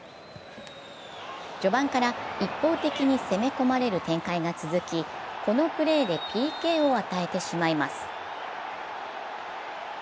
序盤から一方的に攻め込まれる展開が続き、このプレーでＰＫを与えてしまいます。